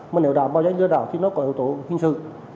mà nếu đào bao dánh lừa đào thì nó có yếu tố hình sự